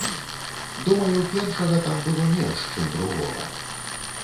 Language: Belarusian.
Думаю, першага там было менш, чым другога.